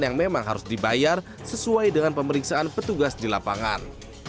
yang memang harus dibayar sesuai dengan pemeriksaan petugas di lapangan